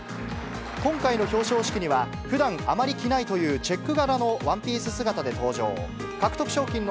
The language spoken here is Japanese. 今回の表彰式には、ふだん、あまり着ないというチェック柄のワンピース姿で登場。